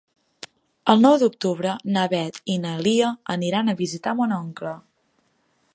El nou d'octubre na Beth i na Lia aniran a visitar mon oncle.